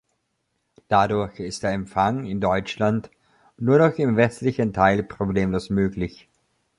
Dadurch ist der Empfang in Deutschland nur noch im westlichen Teil problemlos möglich.